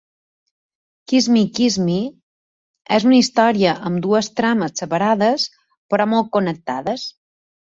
"Kiss Me, Kiss Me" és una història amb dues trames separades, però molt connectades.